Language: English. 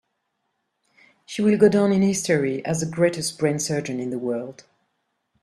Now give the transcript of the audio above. She will go down in history as the greatest brain surgeon in the world.